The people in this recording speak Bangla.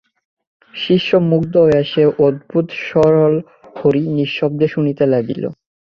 শিষ্য মুগ্ধ হইয়া সে অদ্ভুত স্বরলহরী নিঃশব্দে শুনিতে লাগিল।